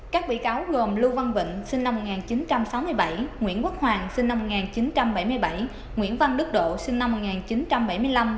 các bị cáo gồm lưu văn vĩnh sinh năm một nghìn chín trăm sáu mươi bảy nguyễn quốc hoàng sinh năm một nghìn chín trăm bảy mươi bảy nguyễn văn đức độ sinh năm một nghìn chín trăm bảy mươi năm